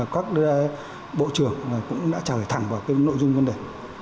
có nhiều ý kiến mà các bộ trường cũng đã trả lời thẳng vào cái nội dung vấn đề